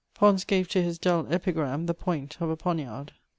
Pons gave to his dull epigram the point of a pcmiard.